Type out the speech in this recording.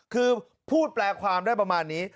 คือพูดแปลความได้ประมาณนี้